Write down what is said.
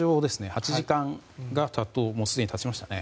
８時間がすでに経ちましたね。